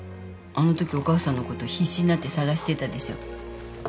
あのときお母さんのこと必死になって捜してたでしょ？